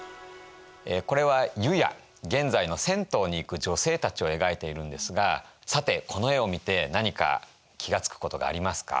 これは湯屋現在の銭湯に行く女性たちを描いているんですがさてこの絵を見て何か気が付くことがありますか？